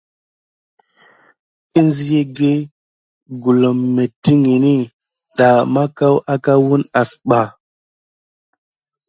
Ənzia egge gulom mettiŋgini daha mà aka wune asba.